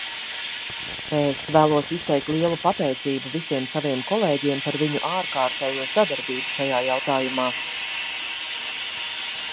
Es vēlos izteikt lielu pateicību visiem saviem kolēģiem par viņu ārkārtējo sadarbību šajā jautājumā.